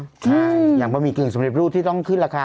ใช่อย่างบะหมี่กึ่งสำเร็จรูปที่ต้องขึ้นราคา